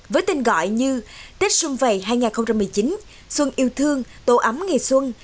với tên gọi như tết xuân vầy hai nghìn một mươi chín xuân yêu thương tổ ấm ngày xuân